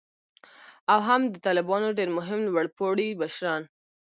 او هم د طالبانو ډیر مهم لوړ پوړي مشران